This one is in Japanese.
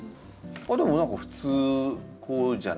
でも何か普通こうじゃないですか？